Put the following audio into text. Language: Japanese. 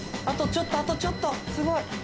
あとちょっとあとちょっとすごい！